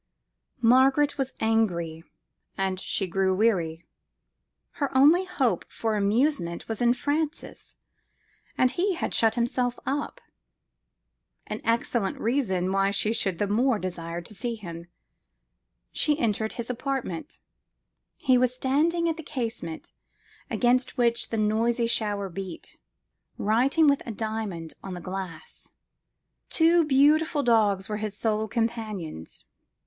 Margaret was angry, and she grew weary: her only hope for amusement was in Francis, and he had shut himself up an excellent reason why she should the more desire to see him. She entered his apartment: he was standing at the casement, against which the noisy shower beat, writing with a diamond on the glass. Two beautiful dogs were his sole companions.